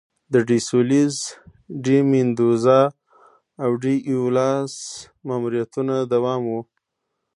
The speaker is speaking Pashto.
د ډي سولیز، ډي میندوزا او ډي ایولاس ماموریتونه دوام و.